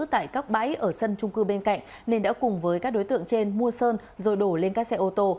tại các bãi ở sân trung cư bên cạnh nên đã cùng với các đối tượng trên mua sơn rồi đổ lên các xe ô tô